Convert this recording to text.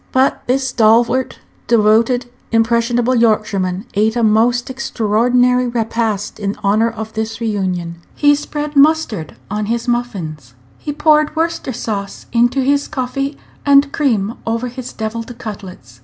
But this stalwart, devoted, impressionable Yorkshireman ate a most extraordinary repast in honor of this reunion. He spread mustard on his muffins. He poured Worcester sauce into his coffee, and cream over his deviled cutlets.